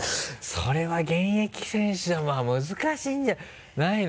それは現役選手じゃまぁ難しいんじゃないの？